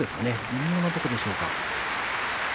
微妙なところでしょうか。